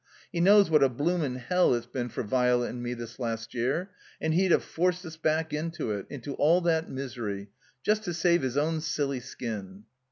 He knows what a bloomin' hell it's been for Virelet and me this last year — and he'd have forced us back into it — into all that misery — just to save his own silly skin."